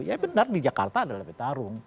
ya benar di jakarta adalah petarung